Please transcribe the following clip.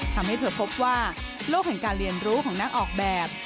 ทำให้เธอพบว่าโลกแห่งการเรียนรู้ของนักออกแบบ